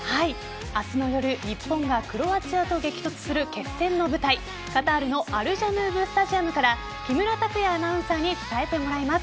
明日の夜日本がクロアチアと激突する決戦の舞台カタールのアルジャヌーブスタジアムから木村拓也アナウンサーに伝えてもらいます。